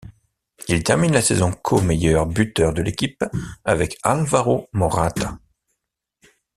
Il termine la saison co-meilleur buteur de l'équipe avec Álvaro Morata.